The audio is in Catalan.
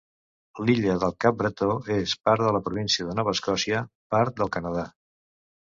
L'illa del Cap Bretó és part de la província de Nova Escòcia, part del Canadà.